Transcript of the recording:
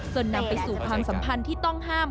นำไปสู่ความสัมพันธ์ที่ต้องห้าม